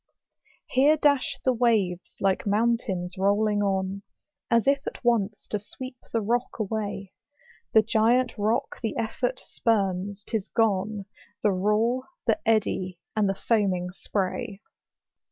Here dash the waves like mountains rolling on, As if at once to sweep the rock away: The giant rock the effort spurns, ? tis gone, The roar, the eddy, and the foaming spray.